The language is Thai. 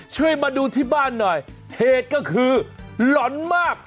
ช่วยมาดูที่บ้านหน่อยเหตุก็คือหล่อนมาก